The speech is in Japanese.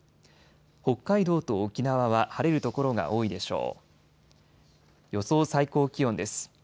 北海道と沖縄は晴れる所が多いでしょう。